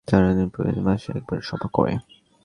অর্থ ও ঋণ পরিষদ প্রতি তিন মাসে একবার সভা করে।